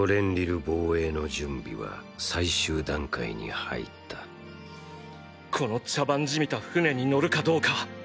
防衛の準備は最終段階に入ったこの茶番じみた船に乗るかどうか。